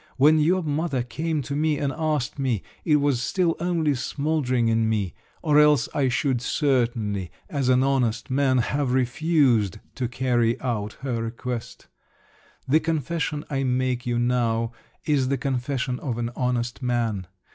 When your mother came to me and asked me, it was still only smouldering in me, or else I should certainly, as an honest man, have refused to carry out her request…. The confession I make you now is the confession of an honest man.